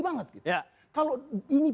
banget kalau ini